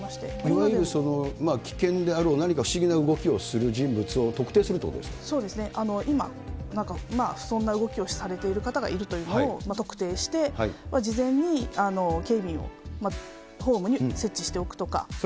いわゆるその、危険であろう何か不思議な動きをする人物を特定するということでそうですね、今、何かふそんな動きをされている方がいるというのを特定して、事前に警備員をホームに設置しておくとか。